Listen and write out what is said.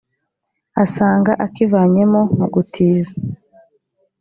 asanga akivanyemo mu gutiza